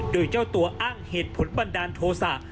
โดยเจ้าตัวอ้างเหตุผลบันดาลโทษะ